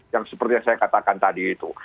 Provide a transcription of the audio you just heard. yang seperti yang saya katakan tadi itu